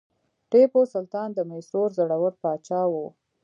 ټیپو سلطان د میسور زړور پاچا و.